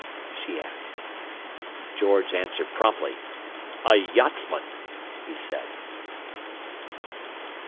she asked. George answered promptly. "A yachtsman," he said.